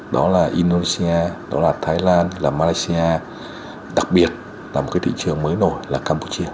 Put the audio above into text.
đó là indonesia đà lạt thái lan là malaysia đặc biệt là một cái thị trường mới nổi là campuchia